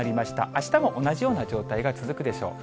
あしたも同じような状態が続くでしょう。